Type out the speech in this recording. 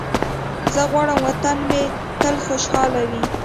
زه غواړم وطن مې تل خوشحاله وي.